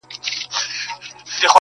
o خو درد لا هم شته تل,